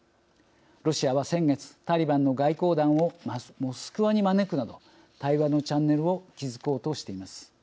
ロシアは先月タリバンの外交団をモスクワに招くなど対話のチャンネルを築こうとしています。